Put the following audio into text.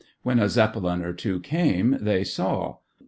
When a Zeppelin or two came, they saw.